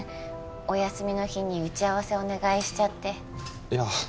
お休みの日に打ち合わせお願いしちゃっていや